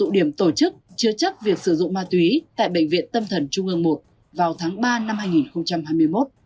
điểm tổ chức chứa chấp việc sử dụng ma túy tại bệnh viện tâm thần trung ương i vào tháng ba năm hai nghìn hai mươi một